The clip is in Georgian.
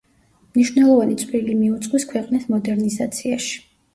მნიშვნელოვანი წვლილი მიუძღვის ქვეყნის მოდერნიზაციაში.